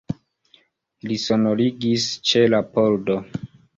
Li sonorigis ĉe la pordo.